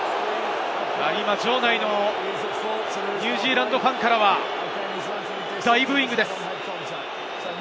場内のニュージーランドファンからは大ブーイングです。